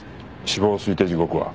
死亡推定時刻は？